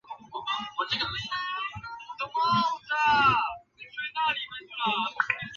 生命种群则在一代代个体的更替中经过自然选择发生进化以适应环境。